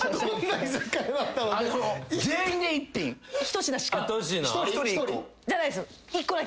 １人１個？じゃないです。